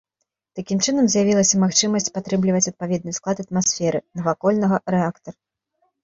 Такім чынам з'явілася магчымасць падтрымліваць адпаведны склад атмасферы, навакольнага рэактар.